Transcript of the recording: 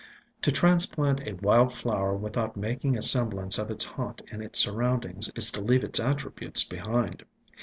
To transplant a wild flower without making a semblance of its haunt in its surroundings is to leave its attri butes behind.